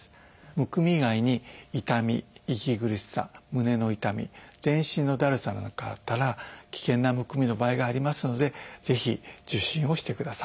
むくみ以外に痛み息苦しさ胸の痛み全身のだるさなんかがあったら危険なむくみの場合がありますのでぜひ受診をしてください。